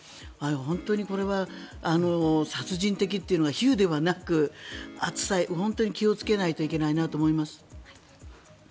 本当にこれは殺人的っていうのが比喩ではなく暑さに本当に気をつけないといけないなと思います。